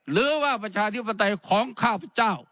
หรือว่าประชาธิปไตยของข้าพเจ้า